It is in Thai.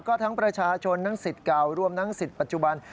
ก็ทั้งประชาชนทั้งสิทธิ์เก่ารวมทั้งสิทธิ์ปัจจุบัน